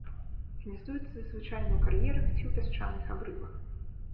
Гняздуецца звычайна ў кар'ерах ці ў пясчаных абрывах.